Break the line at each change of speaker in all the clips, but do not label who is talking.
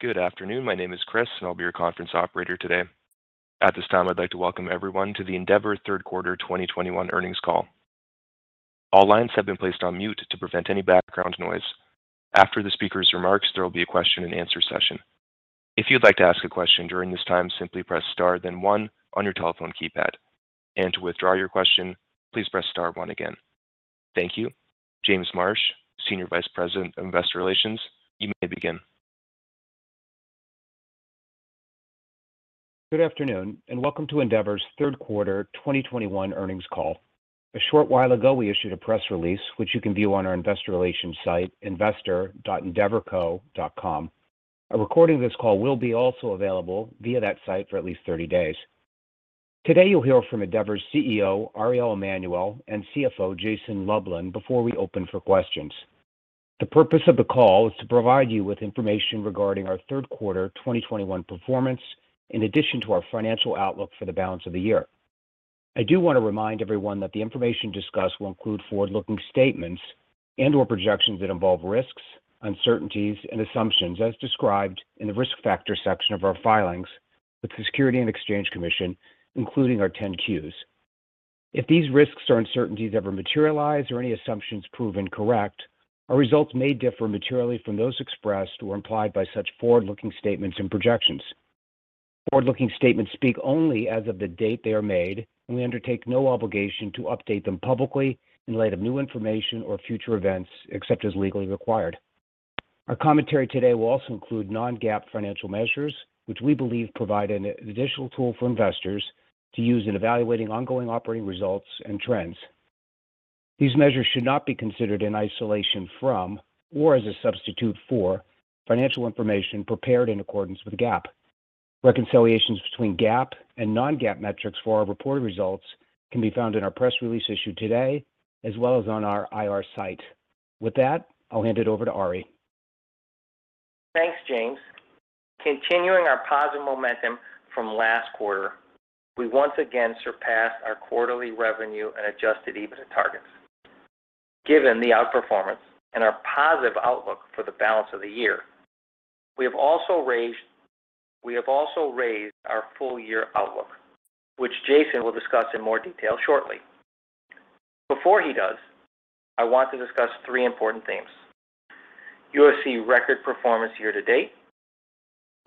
Good afternoon. My name is Chris, and I'll be your conference operator today. At this time, I'd like to welcome everyone to the Endeavor third quarter 2021 earnings call. After the speaker's remarks, there will be a question and answer session. James Marsh, Senior Vice President of Investor Relations, you may begin.
Good afternoon and welcome to Endeavor's third quarter 2021 earnings call. A short while ago, we issued a press release, which you can view on our investor relations site, investor.endeavorco.com. A recording of this call will be also available via that site for at least 30 days. Today, you'll hear from Endeavor's CEO, Ariel Emanuel, and CFO, Jason Lublin, before we open for questions. The purpose of the call is to provide you with information regarding our third quarter 2021 performance, in addition to our financial outlook for the balance of the year. I do want to remind everyone that the information discussed will include forward-looking statements and/or projections that involve risks, uncertainties, and assumptions as described in the Risk Factors section of our filings with the Securities and Exchange Commission, including our 10-Qs. If these risks or uncertainties ever materialize or any assumptions prove incorrect, our results may differ materially from those expressed or implied by such forward-looking statements and projections. Forward-looking statements speak only as of the date they are made, and we undertake no obligation to update them publicly in light of new information or future events, except as legally required. Our commentary today will also include non-GAAP financial measures, which we believe provide an additional tool for investors to use in evaluating ongoing operating results and trends. These measures should not be considered in isolation from or as a substitute for financial information prepared in accordance with GAAP. Reconciliations between GAAP and non-GAAP metrics for our reported results can be found in our press release issued today, as well as on our IR site. With that, I'll hand it over to Ari.
Thanks, James. Continuing our positive momentum from last quarter, we once again surpassed our quarterly revenue and adjusted EBITDA targets. Given the outperformance and our positive outlook for the balance of the year, we have also raised our full-year outlook, which Jason will discuss in more detail shortly. Before he does, I want to discuss three important themes. UFC record performance year to date,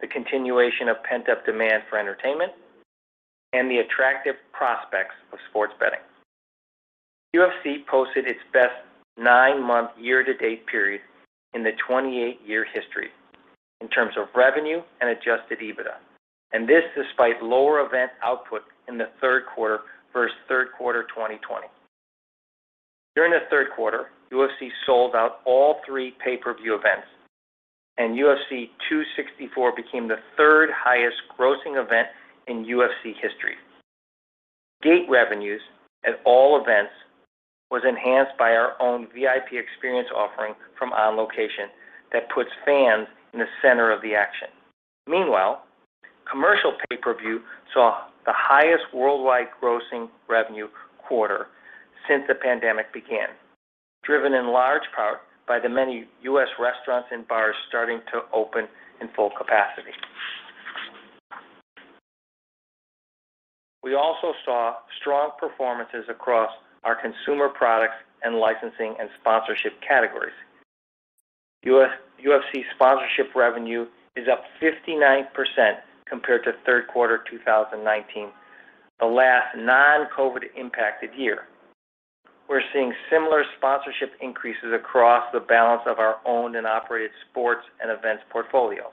the continuation of pent-up demand for entertainment, and the attractive prospects of sports betting. UFC posted its best nine-month year to date period in the 28-year history in terms of revenue and adjusted EBITDA, and this despite lower event output in the third quarter versus third quarter 2020. During the third quarter, UFC sold out all three pay-per-view events, and UFC 264 became the third highest grossing event in UFC history. Gate revenues at all events was enhanced by our own VIP experience offering from On Location that puts fans in the center of the action. Meanwhile, commercial pay-per-view saw the highest worldwide grossing revenue quarter since the pandemic began, driven in large part by the many U.S. restaurants and bars starting to open in full capacity. We also saw strong performances across our consumer products and licensing and sponsorship categories. UFC sponsorship revenue is up 59% compared to third quarter 2019, the last non-COVID impacted year. We're seeing similar sponsorship increases across the balance of our owned and operated sports and events portfolio.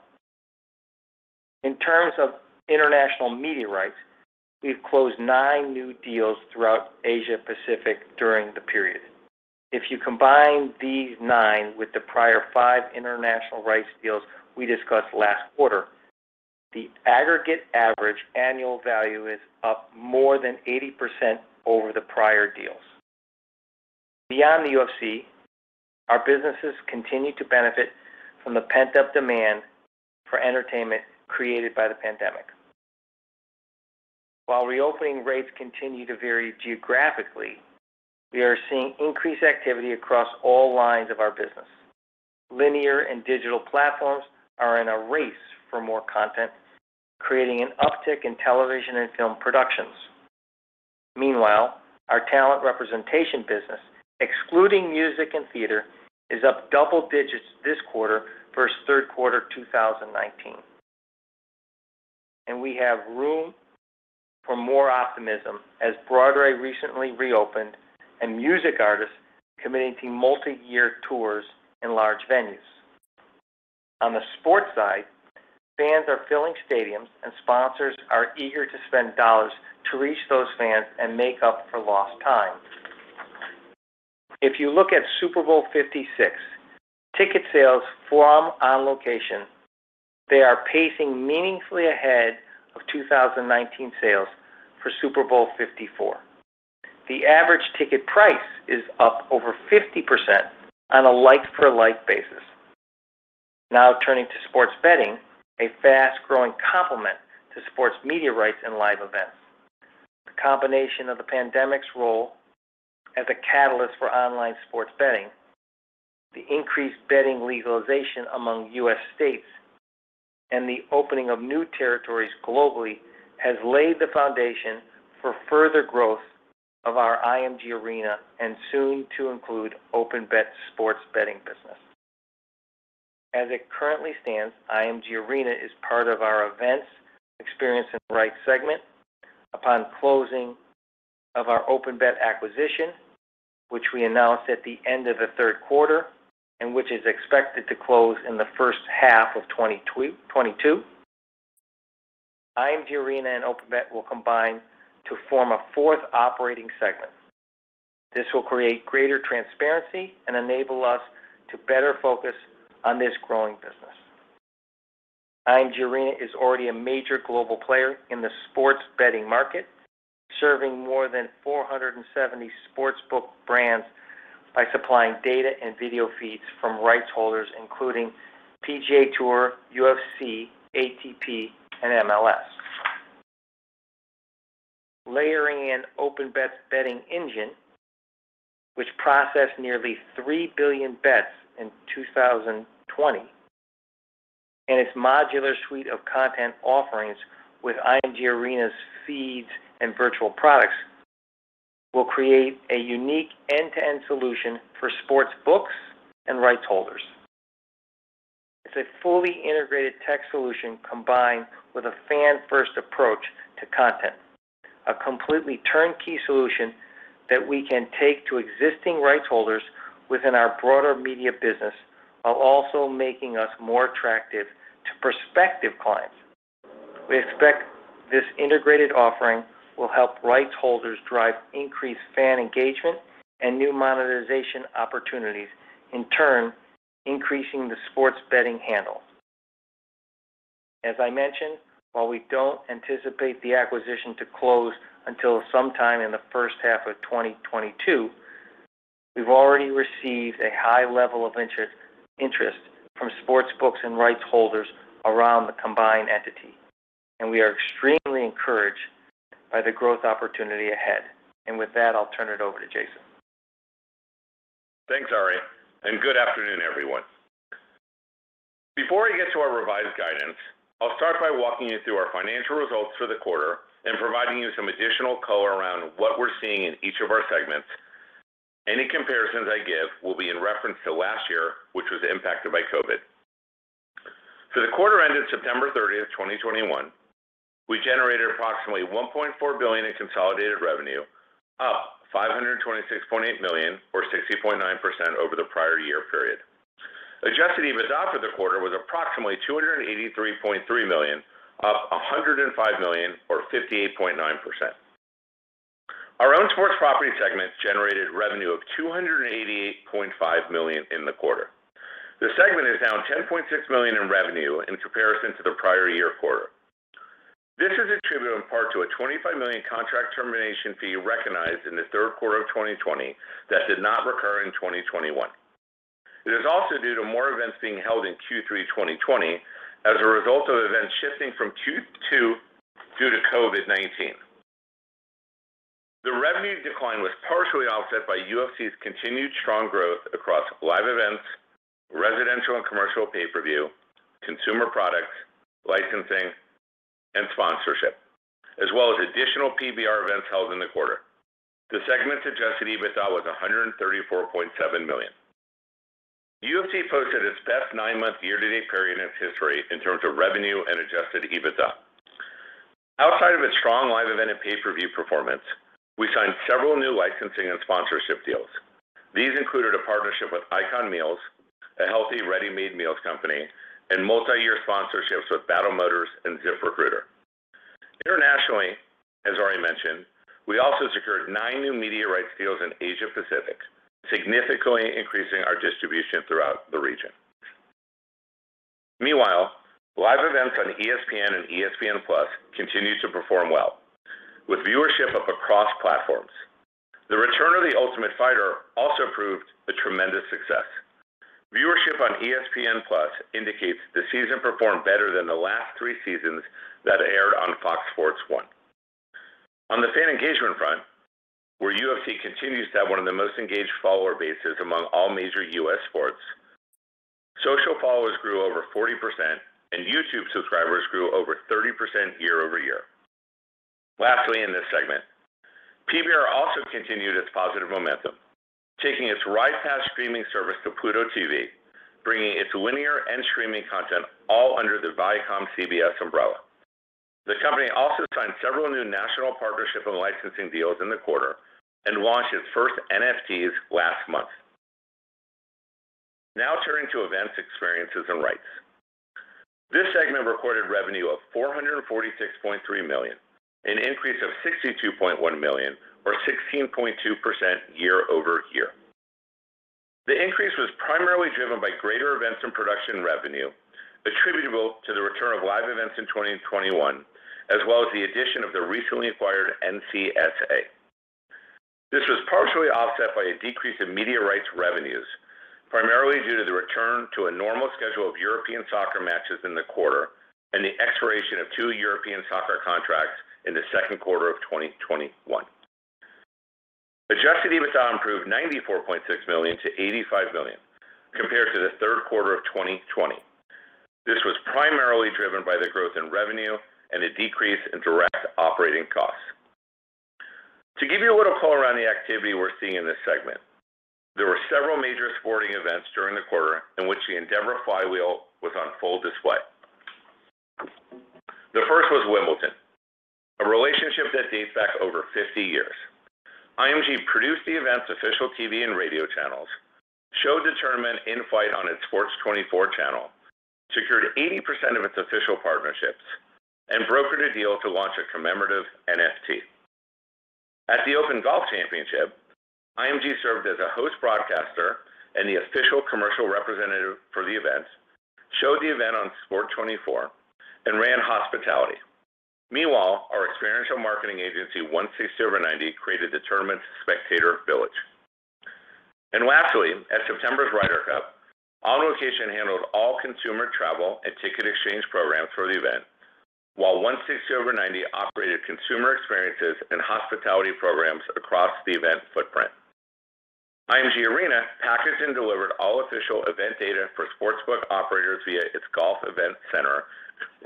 In terms of international media rights, we've closed nine new deals throughout Asia-Pacific during the period. If these nine with the prior five international rights deals we discussed last quarter, the aggregate average annual value is up more than 80% over the prior deals. Beyond the UFC, our businesses continue to benefit from the pent-up demand for entertainment created by the pandemic. While reopening rates continue to vary geographically, we are seeing increased activity across all lines of our business. Linear and digital platforms are in a race for more content, creating an uptick in television and film productions. Meanwhile, our talent representation business, excluding music and theater, is up double digits this quarter versus third quarter 2019. We have room for more optimism as Broadway recently reopened and music artists committing to multi-year tours in large venues. On the sports side, fans are filling stadiums, and sponsors are eager to spend dollars to reach those fans and make up for lost time. If you look at Super Bowl LVI, ticket sales from On Location, they are pacing meaningfully ahead of 2019 sales for Super Bowl LIV. The average ticket price is up over 50% on a like-for-like basis. Now turning to sports betting, a fast-growing complement to sports media rights and live events. The combination of the pandemic's role as a catalyst for online sports betting, the increased betting legalization among U.S. states, and the opening of new territories globally has laid the foundation for further growth of our IMG Arena and soon to include OpenBet's sports betting business. As it currently stands, IMG Arena is part of our Events, Experiences & Rights segment. Upon closing of our OpenBet acquisition, which we announced at the end of the third quarter, and which is expected to close in the first half of 2022, IMG Arena and OpenBet will combine to form a fourth operating segment. This will create greater transparency and enable us to better focus on this growing business. IMG Arena is already a major global player in the sports betting market, serving more than 470 sportsbook brands by supplying data and video feeds from rights holders, including PGA TOUR, UFC, ATP, and MLS. Layering in OpenBet's betting engine, which processed nearly 3 billion bets in 2020, and its modular suite of content offerings with IMG Arena's feeds and virtual products will create a unique end-to-end solution for sportsbooks and rights holders. It's a fully integrated tech solution combined with a fan-first approach to content. A completely turnkey solution that we can take to existing rights holders within our broader media business, while also making us more attractive to prospective clients. We expect this integrated offering will help rights holders drive increased fan engagement and new monetization opportunities, in turn, increasing the sports betting handle. As I mentioned, while we don't anticipate the acquisition to close until sometime in the first half of 2022, we've already received a high level of interest from sports books and rights holders around the combined entity, and we are extremely encouraged by the growth opportunity ahead. With that, I'll turn it over to Jason.
Thanks, Ari, and good afternoon, everyone. Before we get to our revised guidance, I'll start by walking you through our financial results for the quarter and providing you some additional color around what we're seeing in each of our segments. Any comparisons I give will be in reference to last year, which was impacted by COVID. For the quarter ended September 30, 2021, we generated approximately $1.4 billion in consolidated revenue, up $526.8 million or 60.9% over the prior year period. Adjusted EBITDA for the quarter was approximately $283.3 million, up $105 million or 58.9%. Our owned sports property segment generated revenue of $288.5 million in the quarter. The segment is down $10.6 million in revenue in comparison to the prior year quarter. This is attributed in part to a $25 million contract termination fee recognized in the third quarter of 2020 that did not recur in 2021. It is also due to more events being held in Q3 2020 as a result of events shifting from Q2 due to COVID-19. The revenue decline was partially offset by UFC's continued strong growth across live events, residential and commercial pay-per-view, consumer products, licensing, and sponsorship, as well as additional PBR events held in the quarter. The segment's adjusted EBITDA was $134.7 million. UFC posted its best nine-month year-to-date period in its history in terms of revenue and adjusted EBITDA. Outside of its strong live event and pay-per-view performance, we signed several new licensing and sponsorship deals. These included a partnership with ICON Meals, a healthy ready-made meals company, and multi-year sponsorships with Battle Motors and ZipRecruiter. Internationally, as Ari mentioned, we also secured nine new media rights deals in Asia-Pacific, significantly increasing our distribution throughout the region. Meanwhile, live events on ESPN and ESPN+ continue to perform well, with viewership up across platforms. The return of The Ultimate Fighter also proved a tremendous success. Viewership on ESPN+ indicates the season performed better than the last three seasons that aired on Fox Sports 1. On the fan engagement front, where UFC continues to have one of the most engaged follower bases among all major U.S. sports, social followers grew over 40% and YouTube subscribers grew over 30% year-over-year. Lastly, in this segment, PBR also continued its positive momentum, taking its RidePass streaming service to Pluto TV, bringing its linear and streaming content all under the ViacomCBS umbrella. The company also signed several new national partnership and licensing deals in the quarter and launched its first NFTs last month. Now turning to Events, Experiences and Rights. This segment recorded revenue of $446.3 million, an increase of $62.1 million or 16.2% year-over-year. The increase was primarily driven by greater events and production revenue attributable to the return of live events in 2021, as well as the addition of the recently acquired NCS. This was partially offset by a decrease in media rights revenues, primarily due to the return to a normal schedule of European soccer matches in the quarter and the expiration of two European soccer contracts in the second quarter of 2021. Adjusted EBITDA improved $94.6 million to $85 million compared to the third quarter of 2020. This was primarily driven by the growth in revenue and a decrease in direct operating costs. To give you a little color on the activity we're seeing in this segment, there were several major sporting events during the quarter in which the Endeavor flywheel was on full display. The first was Wimbledon, a relationship that dates back over 50 years. IMG produced the event's official TV and radio channels, showed the tournament in-flight on its Sport 24 channel, secured 80% of its official partnerships, and brokered a deal to launch a commemorative NFT. At The Open Championship, IMG served as a host broadcaster and the official commercial representative for the event, showed the event on Sport 24, and ran hospitality. Meanwhile, our experiential marketing agency, 160over90, created the tournament's spectator village. Lastly, at September's Ryder Cup, On Location handled all consumer travel and ticket exchange programs for the event, while 160over90 operated consumer experiences and hospitality programs across the event footprint. IMG Arena packaged and delivered all official event data for sportsbook operators via its Golf Event Center,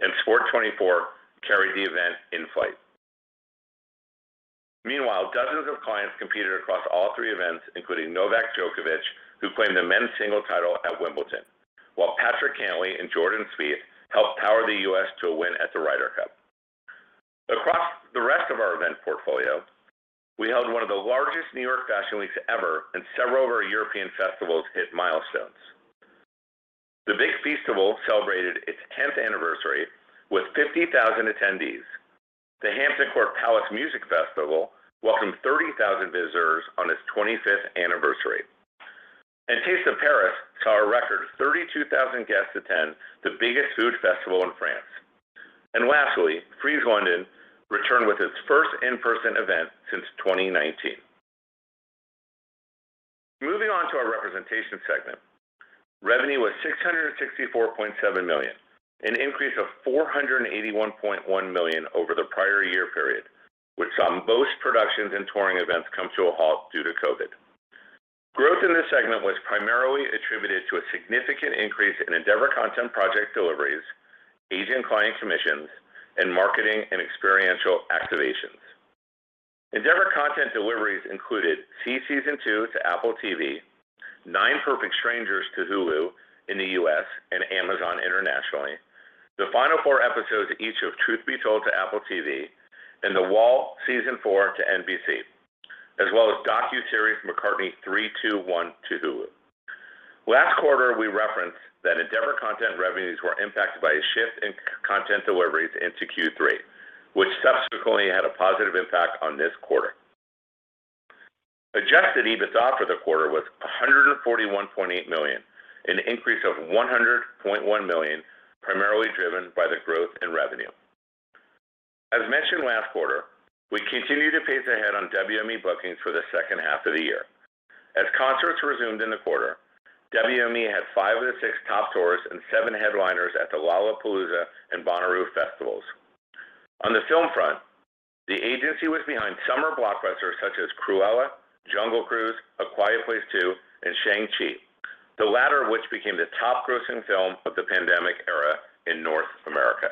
and Sport 24 carried the event in-flight. Meanwhile, dozens of clients competed across all three events, including Novak Djokovic, who claimed the men's singles title at Wimbledon. While Patrick Cantlay and Jordan Spieth helped power the U.S. to a win at the Ryder Cup. Across the rest of our event portfolio, we held one of the largest New York Fashion Weeks ever, and several of our European festivals hit milestones. The Big Feastival celebrated its 10th anniversary with 50,000 attendees. The Hampton Court Palace Music Festival welcomed 30,000 visitors on its 25th anniversary. Taste of Paris saw a record 32,000 guests attend the biggest food festival in France. Lastly, Frieze London returned with its first in-person event since 2019. Moving on to our representation segment, revenue was $664.7 million, an increase of $481.1 million over the prior year period, which saw most productions and touring events come to a halt due to COVID. Growth in this segment was primarily attributed to a significant increase in Endeavor Content project deliveries, agent client commissions, and marketing and experiential activations. Endeavor Content deliveries included See Season two to Apple TV, Nine Perfect Strangers to Hulu in the U.S. and Amazon internationally. The final four episodes each of Truth Be Told to Apple TV and The Wall Season four to NBC, as well as docuseries McCartney 3,2,1 to Hulu. Last quarter, we referenced that Endeavor Content revenues were impacted by a shift in content deliveries into Q3, which subsequently had a positive impact on this quarter. Adjusted EBITDA for the quarter was $141.8 million, an increase of $100.1 million, primarily driven by the growth in revenue. As mentioned last quarter, we continue to pace ahead on WME bookings for the second half of the year. As concerts resumed in the quarter, WME had five of the six top tours and seven headliners at the Lollapalooza and Bonnaroo festivals. On the film front, the agency was behind summer blockbusters such as Cruella, Jungle Cruise, A Quiet Place two, and Shang-Chi, the latter of which became the top-grossing film of the pandemic era in North America.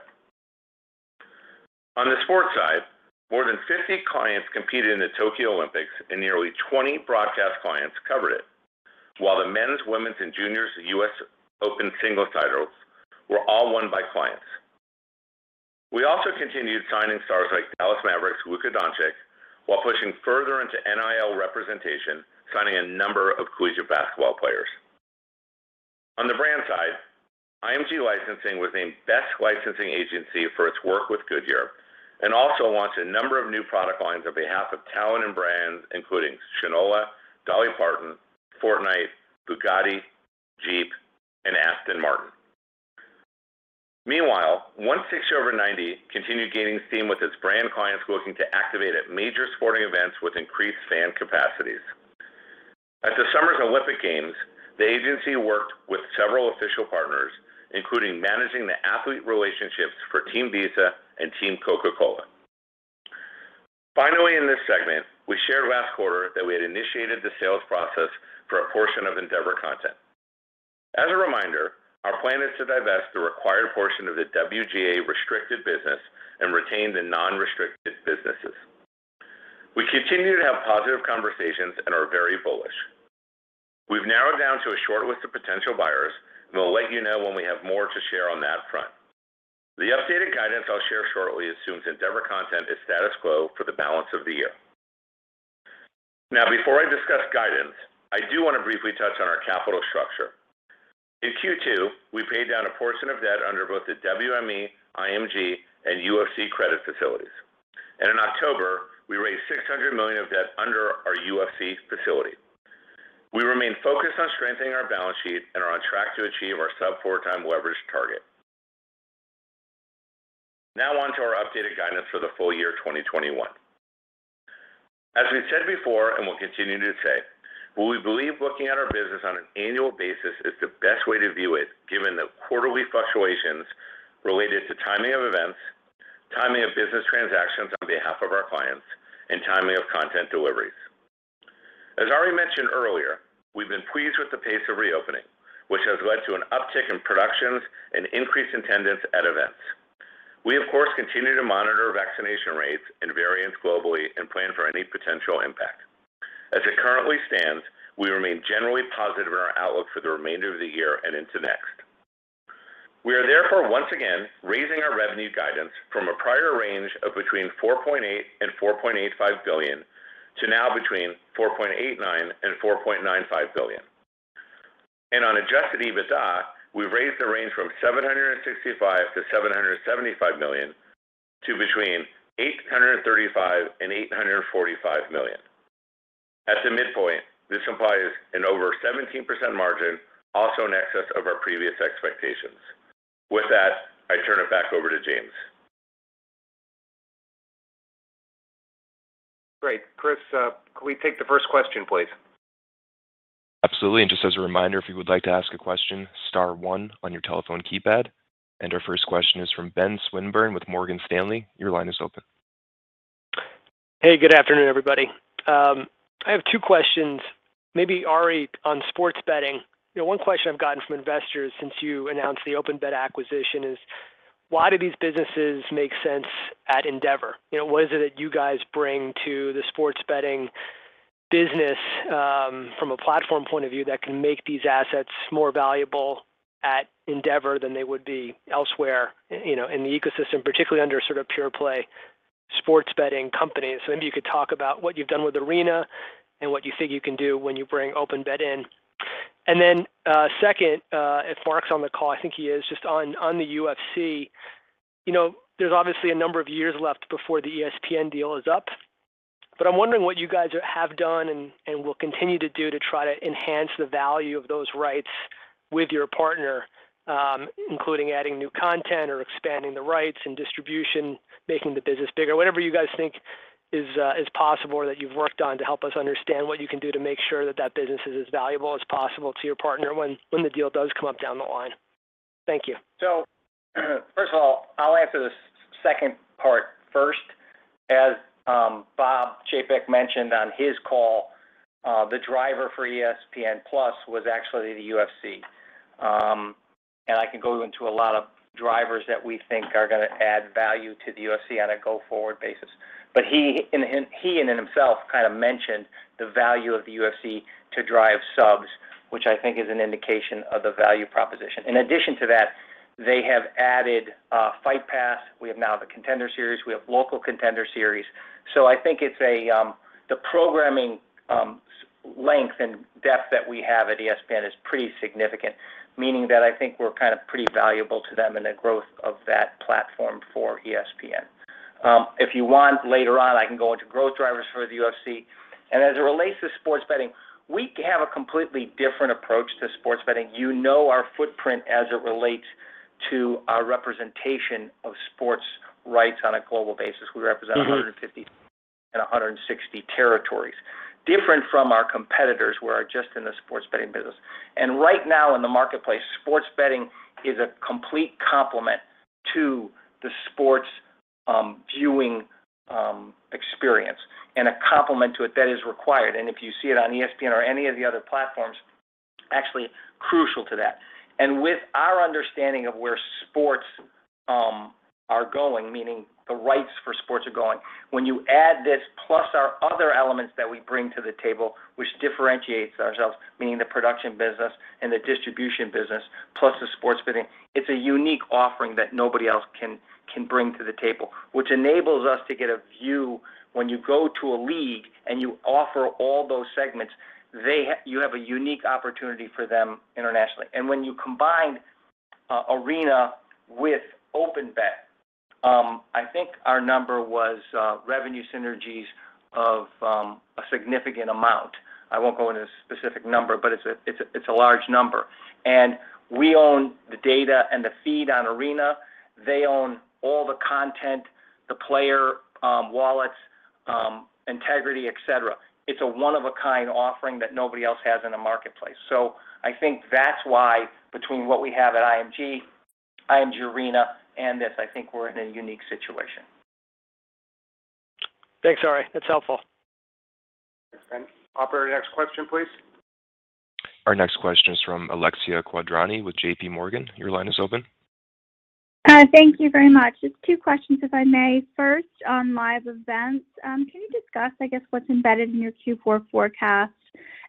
On the sports side, more than 50 clients competed in the Tokyo Olympics and nearly 20 broadcast clients covered it, while the men's, women's, and juniors US Open singles titles were all won by clients. We also continued signing stars like Dallas Mavericks Luka Dončić while pushing further into NIL representation, signing a number of collegiate basketball players. On the brand side, IMG Licensing was named Best Licensing Agency for its work with Goodyear and also launched a number of new product lines on behalf of talent and brands, including Shinola, Dolly Parton, Fortnite, Bugatti, Jeep, and Aston Martin. Meanwhile, 160over90 continued gaining steam with its brand clients looking to activate at major sporting events with increased fan capacities. At the summer Olympic Games, the agency worked with several official partners, including managing the athlete relationships for Team Visa and Team Coca-Cola. Finally, in this segment, we shared last quarter that we had initiated the sales process for a portion of Endeavor Content. As a reminder, our plan is to divest the required portion of the WGA restricted business and retain the non-restricted businesses. We continue to have positive conversations and are very bullish. We've narrowed down to a short list of potential buyers, and we'll let you know when we have more to share on that front. The updated guidance I'll share shortly assumes Endeavor Content is status quo for the balance of the year. Now before I discuss guidance, I do want to briefly touch on our capital structure. In Q2, we paid down a portion of debt under both the WME, IMG, and UFC credit facilities. In October, we raised $600 million of debt under our UFC facility. We remain focused on strengthening our balance sheet and are on track to achieve our sub 4x leverage target. Now on to our updated guidance for the full year 2021. As we've said before, and we'll continue to say, we believe looking at our business on an annual basis is the best way to view it, given the quarterly fluctuations related to timing of events, timing of business transactions on behalf of our clients, and timing of content deliveries. As Ari mentioned earlier, we've been pleased with the pace of reopening, which has led to an uptick in productions and increased attendance at events. We of course continue to monitor vaccination rates and variants globally and plan for any potential impact. As it currently stands, we remain generally positive in our outlook for the remainder of the year and into next. We are therefore once again raising our revenue guidance from a prior range of between $4.8 billion-$4.85 billion to now between $4.89 billion-$4.95 billion. On adjusted EBITDA, we've raised the range from $765 million-$775 million to between $835 million-$845 million. At the midpoint, this implies an over 17% margin, also in excess of our previous expectations. With that, I turn it back over to James.
Great. Chris, can we take the first question, please?
Absolutely. Just as a reminder, if you would like to ask a question, star one on your telephone keypad. Our first question is from Benjamin Swinburne with Morgan Stanley. Your line is open.
Hey, good afternoon, everybody. I have two questions, maybe Ari, on sports betting. You know, one question I've gotten from investors since you announced the OpenBet acquisition is why do these businesses make sense at Endeavor? You know, what is it that you guys bring to the sports betting business, from a platform point of view that can make these assets more valuable at Endeavor than they would be elsewhere, you know, in the ecosystem, particularly under sort of pure play sports betting companies? So maybe you could talk about what you've done with Arena and what you think you can do when you bring OpenBet in. Second, if Mark's on the call, I think he is, just on the UFC. You know, there's obviously a number of years left before the ESPN deal is up, but I'm wondering what you guys have done and will continue to do to try to enhance the value of those rights with your partner, including adding new content or expanding the rights and distribution, making the business bigger, whatever you guys think is possible or that you've worked on to help us understand what you can do to make sure that that business is as valuable as possible to your partner when the deal does come up down the line. Thank you.
First of all, I'll answer the second part first. As Bob Chapek mentioned on his call, the driver for ESPN+ was actually the UFC. I can go into a lot of drivers that we think are gonna add value to the UFC on a go-forward basis. But he, in and of himself, kind of mentioned the value of the UFC to drive subs, which I think is an indication of the value proposition. In addition to that, they have added Fight Pass. We have now the Contender Series. We have local Contender Series. I think it's the programming length and depth that we have at ESPN is pretty significant, meaning that I think we're kind of pretty valuable to them in the growth of that platform for ESPN. If you want, later on, I can go into growth drivers for the UFC. As it relates to sports betting, we have a completely different approach to sports betting. You know our footprint as it relates to our representation of sports rights on a global basis. We represent 150 and 160 territories, different from our competitors who are just in the sports betting business. Right now in the marketplace, sports betting is a complete complement to the sports, viewing, experience and a complement to it that is required. If you see it on ESPN or any of the other platforms, actually crucial to that. With our understanding of where sports are going, meaning the rights for sports are going, when you add this plus our other elements that we bring to the table, which differentiates ourselves, meaning the production business and the distribution business, plus the sports betting, it's a unique offering that nobody else can bring to the table, which enables us to get a view when you go to a league and you offer all those segments, you have a unique opportunity for them internationally. When you combine Arena with OpenBet, I think our number was revenue synergies of a significant amount. I won't go into a specific number, but it's a large number. We own the data and the feed on Arena. They own all the content, the player wallets, integrity, et cetera. It's a one-of-a-kind offering that nobody else has in the marketplace. I think that's why between what we have at IMG Arena, and this, I think we're in a unique situation.
Thanks, Ari. That's helpful.
Thanks, Ben. Operator, next question, please.
Our next question is from Alexia Quadrani with J.P. Morgan. Your line is open.
Thank you very much. Just two questions, if I may. First, on live events, can you discuss, I guess, what's embedded in your Q4 forecast,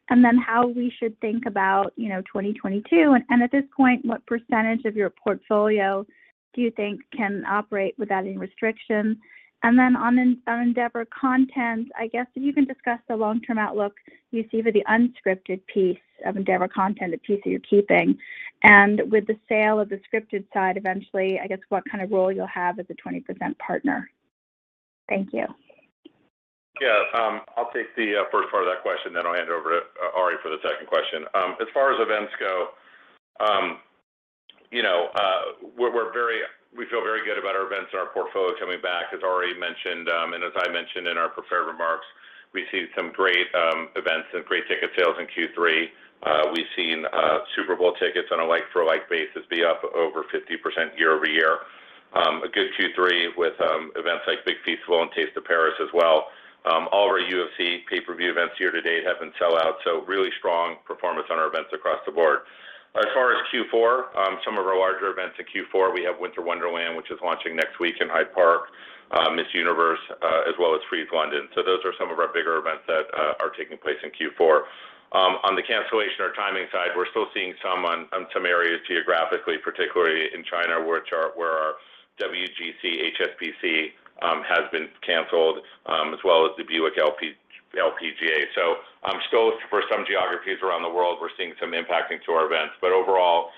and then how we should think about, you know, 2022? And at this point, what percentage of your portfolio do you think can operate without any restrictions? And then on Endeavor Content, I guess if you can discuss the long-term outlook you see for the unscripted piece of Endeavor Content, the piece that you're keeping, and with the sale of the scripted side eventually, I guess what kind of role you'll have as a 20% partner. Thank you. Yeah. I'll take the first part of that question, then I'll hand it over to Ari for the second question.
As far as events go, you know, we feel very good about our events and our portfolio coming back. As Ari mentioned, and as I mentioned in our prepared remarks, we've seen some great events and great ticket sales in Q3. We've seen Super Bowl tickets on a like for like basis be up over 50% year-over-year. A good Q3 with events like Big Feastival and Taste of Paris as well. All of our UFC pay-per-view events year to date have been sold out, so really strong performance on our events across the board. As far as Q4, some of our larger events in Q4, we have Winter Wonderland, which is launching next week in Hyde Park, Miss Universe, as well as Frieze London. Those are some of our bigger events that are taking place in Q4. On the cancellation or timing side, we're still seeing some on some areas geographically, particularly in China where our WGC-HSBC has been canceled, as well as the Buick LPGA. Still for some geographies around the world, we're seeing some impacting to our events. Overall,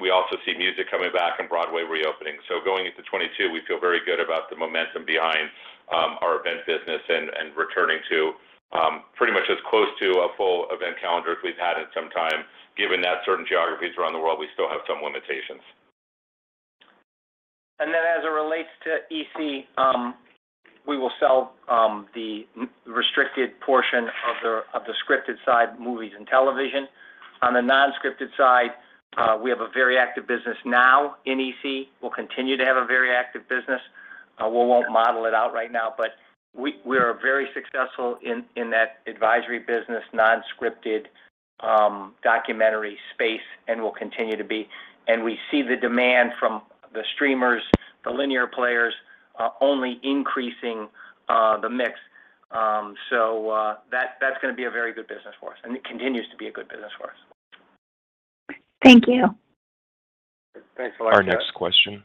we also see music coming back and Broadway reopening. Going into 2022, we feel very good about the momentum behind our event business and returning to pretty much as close to a full event calendar as we've had in some time. Given that certain geographies around the world, we still have some limitations.
As it relates to EC, we will sell the non-restricted portion of the scripted side movies and television. On the non-scripted side, we have a very active business now in EC. We'll continue to have a very active business. We won't model it out right now, but we are very successful in that advisory business, non-scripted, documentary space and will continue to be. We see the demand from the streamers, the linear players, only increasing the mix. That that's gonna be a very good business for us, and it continues to be a good business for us.
Thank you.
Thanks, Alexia Quadrani.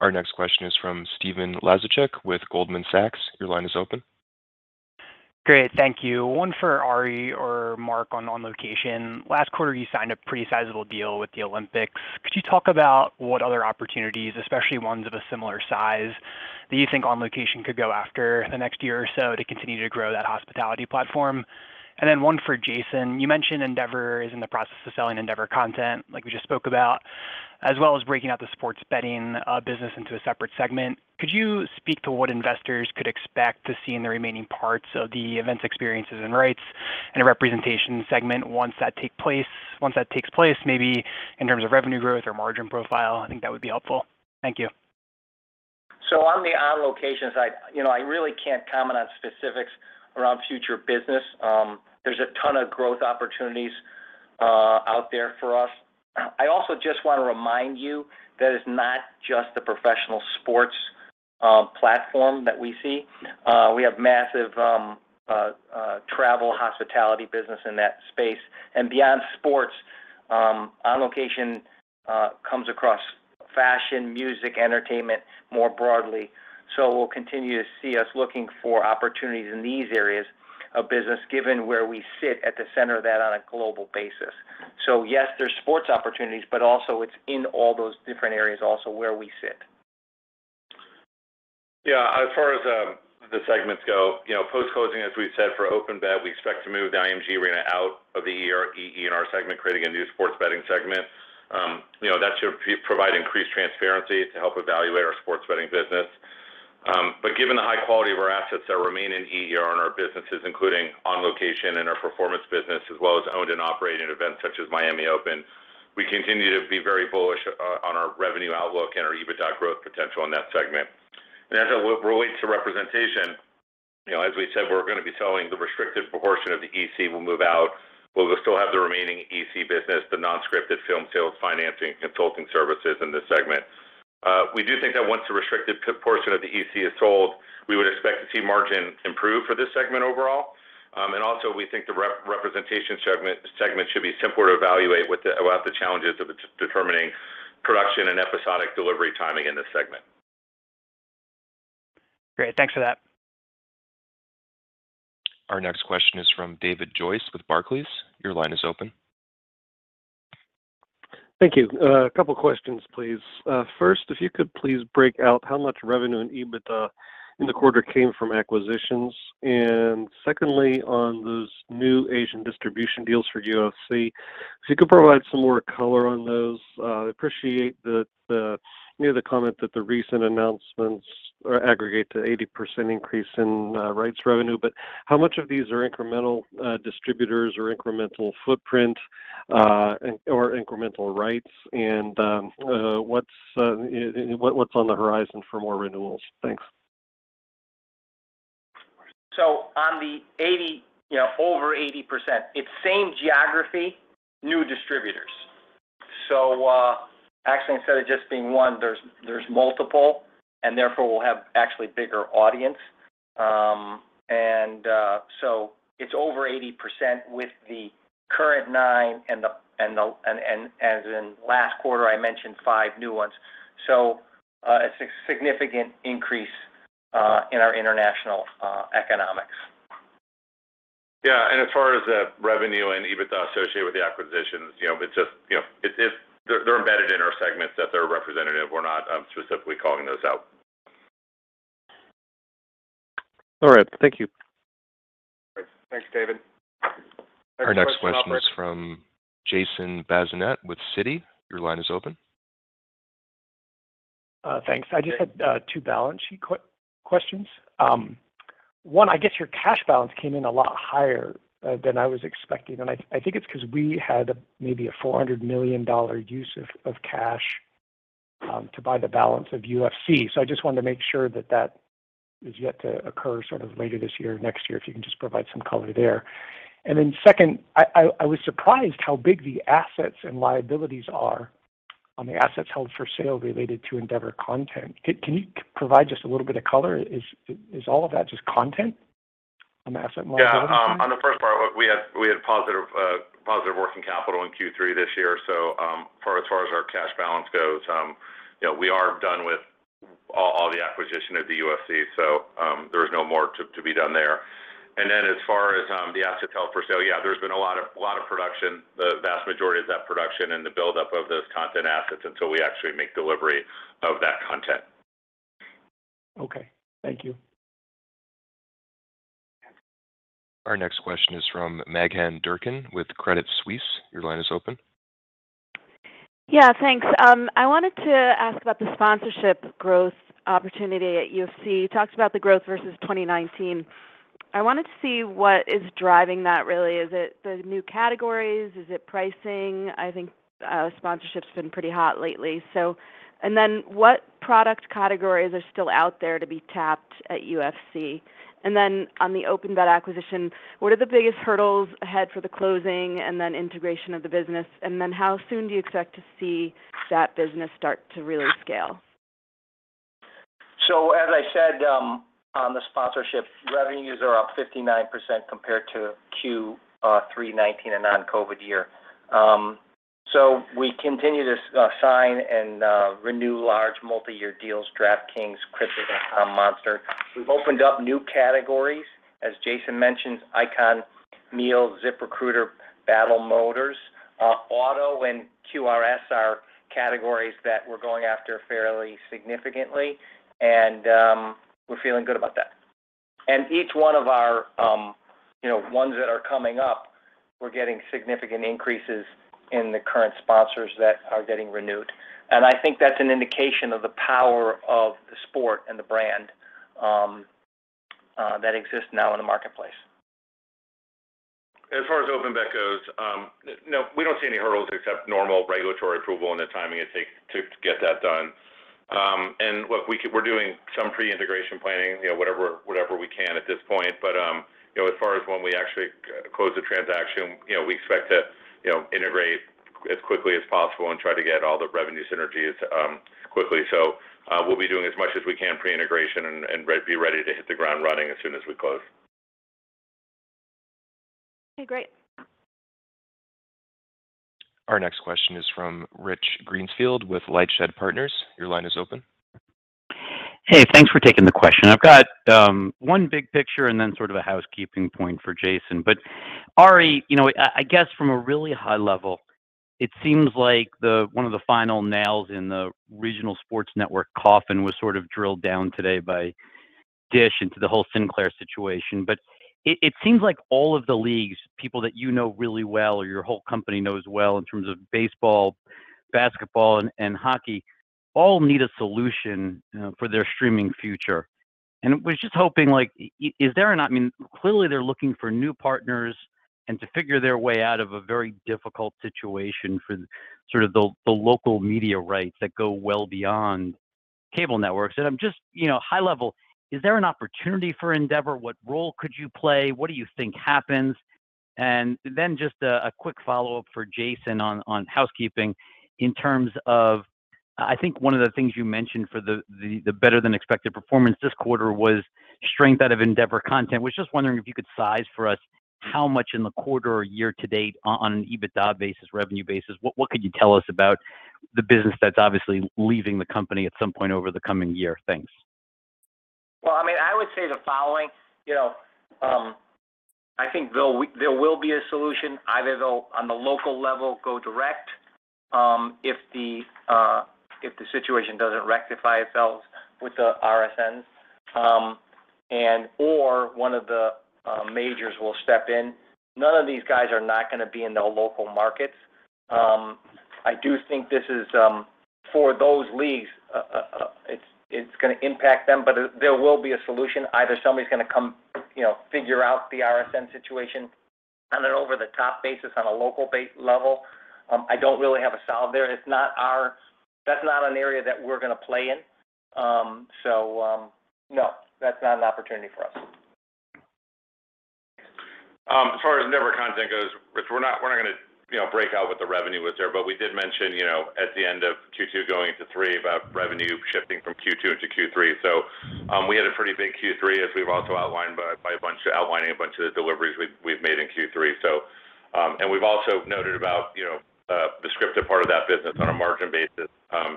Our next question is from Stephen Laszczyk with Goldman Sachs. Your line is open.
Great. Thank you. One for Ari or Mark on On Location. Last quarter, you signed a pretty sizable deal with the Olympics. Could you talk about what other opportunities, especially ones of a similar size, that you think On Location could go after the next year or so to continue to grow that hospitality platform? Then one for Jason. You mentioned Endeavor is in the process of selling Endeavor Content, like we just spoke about, as well as breaking out the sports betting business into a separate segment. Could you speak to what investors could expect to see in the remaining parts of the Events, Experiences & Rights and Representation segment once that takes place, maybe in terms of revenue growth or margin profile? I think that would be helpful. Thank you.
On the On Location, you know, I really can't comment on specifics around future business. There's a ton of growth opportunities out there for us. I also just wanna remind you that it's not just the professional sports platform that we see. We have massive travel hospitality business in that space. Beyond sports, On Location comes across fashion, music, entertainment more broadly. We'll continue to see us looking for opportunities in these areas of business, given where we sit at the center of that on a global basis. Yes, there's sports opportunities, but also it's in all those different areas also where we sit.
Yeah. As far as the segments go, you know, post-closing, as we've said, for OpenBet, we expect to move the IMG Arena out of the EE&R segment, creating a new sports betting segment. You know, that should provide increased transparency to help evaluate our sports betting business. But given the high quality of our assets that remain in EE&R in our businesses, including On Location and our performance business, as well as owned and operating events such as Miami Open, we continue to be very bullish on our revenue outlook and our EBITDA growth potential in that segment. As it relates to representation, you know, as we said, we're gonna be selling the restricted portion of the EC will move out. We'll still have the remaining EC business, the non-scripted film sales, financing, consulting services in this segment. We do think that once the restricted portion of the EC is sold, we would expect to see margin improve for this segment overall. We think the representation segment should be simpler to evaluate without the challenges of determining production and episodic delivery timing in this segment.
Great. Thanks for that.
Our next question is from David Joyce with Barclays. Your line is open.
Thank you. A couple questions, please. First, if you could please break out how much revenue and EBITDA in the quarter came from acquisitions. Secondly, on those new Asian distribution deals for UFC, if you could provide some more color on those. I appreciate the, you know, the comment that the recent announcements aggregate to 80% increase in rights revenue, but how much of these are incremental distributors or incremental footprint or incremental rights? What's on the horizon for more renewals? Thanks.
On the 80, you know, over 80%, it's same geography, new distributors. Actually, instead of just being one, there's multiple, and therefore we'll have actually bigger audience. It's over 80% with the current nine and as in last quarter, I mentioned five new ones. A significant increase in our international economics.
Yeah. As far as the revenue and EBITDA associated with the acquisitions, you know, it's just, you know, they're embedded in our segments that they're representative. We're not specifically calling those out.
All right. Thank you.
Great. Thanks, David.
Our next question is from Jason Bazinet with Citi. Your line is open.
Thanks. I just had two balance sheet questions. One, I guess your cash balance came in a lot higher than I was expecting, and I think it's 'cause we had maybe a $400 million use of cash to buy the balance of UFC. I just wanted to make sure that that is yet to occur sort of later this year or next year, if you can just provide some color there. Second, I was surprised how big the assets and liabilities are on the assets held for sale related to Endeavor Content. Can you provide just a little bit of color? Is all of that just content on the asset and liability side?
Yeah. On the first part, we had positive working capital in Q3 this year. As far as our cash balance goes, you know, we are done with all the acquisition of the UFC. There is no more to be done there. As far as the asset held for sale, yeah, there's been a lot of production, the vast majority of that production and the buildup of those content assets until we actually make delivery of that content.
Okay. Thank you.
Our next question is from Meghan Durkin with Credit Suisse. Your line is open.
Yeah, thanks. I wanted to ask about the sponsorship growth opportunity at UFC. You talked about the growth versus 2019. I wanted to see what is driving that really. Is it the new categories? Is it pricing? I think sponsorship's been pretty hot lately. What product categories are still out there to be tapped at UFC? On the OpenBet acquisition, what are the biggest hurdles ahead for the closing and then integration of the business? How soon do you expect to see that business start to really scale?
As I said, on the sponsorship, revenues are up 59% compared to Q3 2019, a non-COVID year. We continue to sign and renew large multi-year deals, DraftKings, Crypto.com, Monster. We've opened up new categories, as Jason mentioned, ICON Meals, ZipRecruiter, Battle Motors. Auto and QSRs are categories that we're going after fairly significantly, and we're feeling good about that. Each one of our, you know, ones that are coming up, we're getting significant increases in the current sponsors that are getting renewed. I think that's an indication of the power of the sport and the brand that exists now in the marketplace.
As far as OpenBet goes, no, we don't see any hurdles except normal regulatory approval and the timing it takes to get that done. Look, we're doing some pre-integration planning, you know, whatever we can at this point. You know, as far as when we actually close the transaction, you know, we expect to integrate as quickly as possible and try to get all the revenue synergies quickly. We'll be doing as much as we can pre-integration and be ready to hit the ground running as soon as we close.
Okay, great.
Our next question is from Rich Greenfield with LightShed Partners. Your line is open.
Hey, thanks for taking the question. I've got one big picture and then sort of a housekeeping point for Jason. Ari, you know, I guess from a really high level, it seems like the one of the final nails in the regional sports network coffin was sort of drilled down today by Dish into the whole Sinclair situation. It seems like all of the leagues, people that you know really well or your whole company knows well in terms of baseball, basketball and hockey, all need a solution for their streaming future. I was just hoping like is there an I mean, clearly they're looking for new partners and to figure their way out of a very difficult situation for sort of the local media rights that go well beyond cable networks. I'm just, you know, high level, is there an opportunity for Endeavor? What role could you play? What do you think happens? Then just a quick follow-up for Jason on housekeeping in terms of, I think one of the things you mentioned for the better than expected performance this quarter was strength out of Endeavor Content. Was just wondering if you could size for us how much in the quarter or year to date on an EBITDA basis, revenue basis. What could you tell us about the business that's obviously leaving the company at some point over the coming year? Thanks.
I mean, I would say the following, you know, I think there will be a solution, either they'll, on the local level, go direct, if the situation doesn't rectify itself with the RSNs, and/or one of the majors will step in. None of these guys are not gonna be in their local markets. I do think this is, for those leagues, it's gonna impact them, but there will be a solution. Either somebody's gonna come, you know, figure out the RSN situation on an over the top basis on a local level. I don't really have a solve there. That's not an area that we're gonna play in. No, that's not an opportunity for us.
As far as Endeavor Content goes, Rich, we're not gonna, you know, break out what the revenue was there. But we did mention, you know, at the end of Q2 going into three about revenue shifting from Q2 into Q3. We had a pretty big Q3, as we've also outlined by outlining a bunch of the deliveries we've made in Q3. We've also noted about, you know, the scripted part of that business on a margin basis,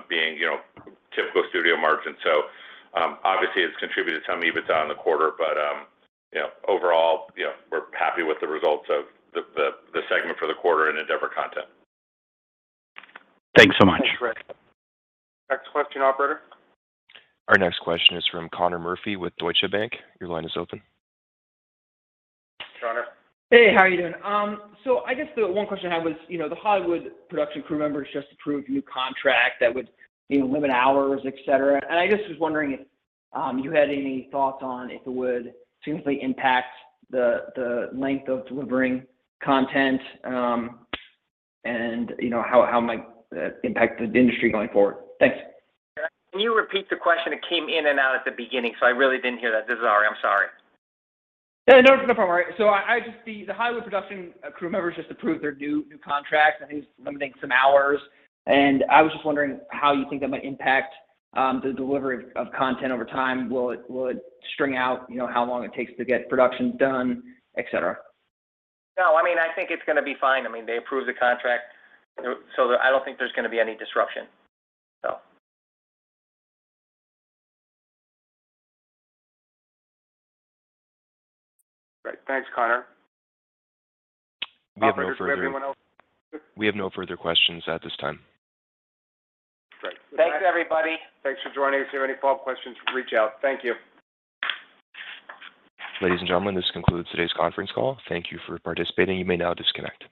being, you know, typical studio margin. Obviously, it's contributed to some EBITDA in the quarter. But, you know, overall, you know, we're happy with the results of the segment for the quarter in Endeavor Content.
Thanks so much.
Thanks, Rich.
Next question, operator.
Our next question is from Connor Murphy with Deutsche Bank. Your line is open.
Connor.
Hey, how are you doing? So I guess the one question I had was, you know, the Hollywood production crew members just approved a new contract that would, you know, limit hours, et cetera. I just was wondering if you had any thoughts on if it would significantly impact the length of delivering content, and, you know, how it might impact the industry going forward. Thanks.
Can you repeat the question? It came in and out at the beginning, so I really didn't hear that. This is Ari, I'm sorry.
Yeah, no problem, Ari. The Hollywood production crew members just approved their new contract, I think limiting some hours, and I was just wondering how you think that might impact the delivery of content over time. Will it string out, you know, how long it takes to get production done, et cetera?
No, I mean, I think it's gonna be fine. I mean, they approved the contract, so I don't think there's gonna be any disruption, so.
Great. Thanks, Connor.
We have no further questions.
Operator, does everyone else?
We have no further questions at this time.
Great.
Thanks, everybody.
Thanks for joining us. If you have any follow-up questions, reach out. Thank you.
Ladies and gentlemen, this concludes today's conference call. Thank you for participating. You may now disconnect.